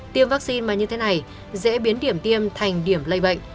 tiêm vaccine mà như thế này dễ biến điểm tiêm thành điểm lây bệnh